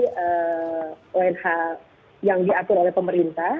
jemaah haji yang diatur oleh pemerintah